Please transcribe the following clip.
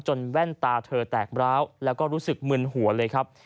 แว่นตาเธอแตกร้าวแล้วก็รู้สึกมึนหัวเลยครับ